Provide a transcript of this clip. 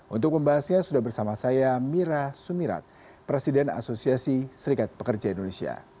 untuk membahasnya sudah bersama saya mira sumirat presiden asosiasi serikat pekerja indonesia